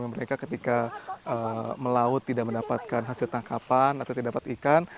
mereka ketika melaut tidak mendapatkan hasil tangkapan atau tidak dapat ikan